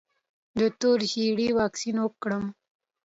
د تور ژیړي واکسین وکړم؟